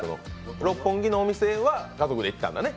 六本木のお店は家族で行ったんだよね？